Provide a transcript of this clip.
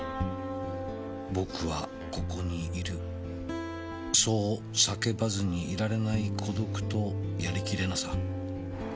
「僕はここにいるそう叫ばずにいられない孤独とやりきれなさ」